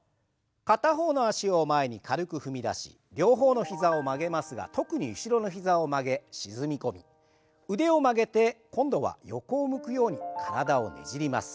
片方の脚を前に軽く踏み出し両方の膝を曲げますが特に後ろの膝を曲げ沈み込み腕を曲げて今度は横を向くように体をねじります。